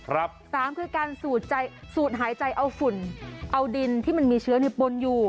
๓การสูดหายใจเอาฝุ่นเอาดินที่มันมีเชื้อในปนอยู่